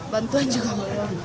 bantuan juga belum ada